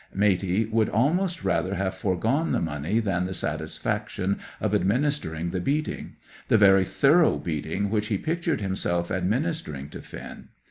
Matey would almost rather have foregone the money than the satisfaction of administering the beating, the very thorough beating which he pictured himself administering to Finn.